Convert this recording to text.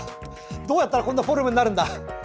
どうやったらこんなフォルムになるんだ。